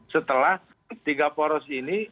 setelah tiga poros ini